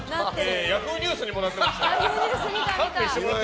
Ｙａｈｏｏ！ニュースにもなってましたから。